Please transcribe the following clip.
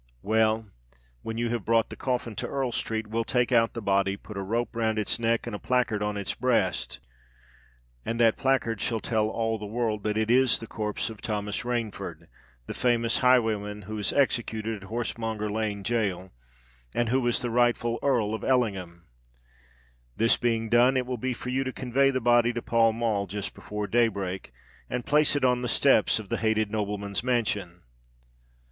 "Well—when you have brought the coffin to Earl Street, we'll take out the body, put a rope round its neck, and a placard on its breast: and that placard shall tell all the world that _it is the corpse of Thomas Rainford, the famous highwayman who was executed at Horsemonger Lane Gaol, and who was the rightful Earl of Ellingham_! This being done, it will be for you to convey the body to Pall Mall, just before daybreak, and place it on the steps of the hated nobleman's mansion."